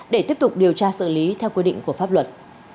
để tiếp tục điều tra xử lý theo quy định của pháp luật